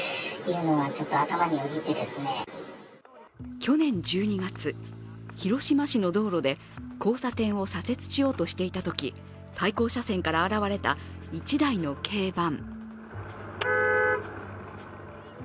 去年１２月、広島市の道路で交差点を左折しようとしていたとき対向車線から現れた１台の軽バン。